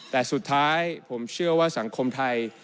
แต่สุดท้ายผมเชื่อว่าสังคมไทย